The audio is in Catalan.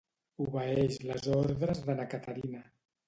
Obeeix les ordres de na Caterina.